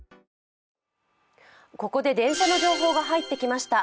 ここで電車の情報が入ってきました。